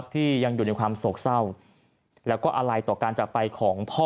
ที่ยังอยู่ในความโศกเศร้าแล้วก็อะไรต่อการจากไปของพ่อ